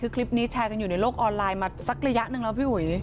คือคลิปนี้แชร์กันอยู่ในโลกออนไลน์มาสักระยะหนึ่งแล้วพี่อุ๋ย